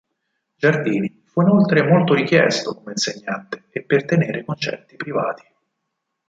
Giardini fu inoltre molto richiesto come insegnante e per tenere concerti privati.